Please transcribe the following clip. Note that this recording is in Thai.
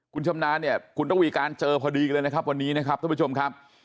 คุณชำนาญเนี่ยคุณระวีการเจอพอดีเลยนะครับวันนี้นะครับท่านผู้ชมครับ